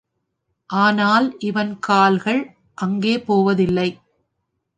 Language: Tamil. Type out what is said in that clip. ஆனால் இவன் கால்கள் அங்கே போவதில்லை.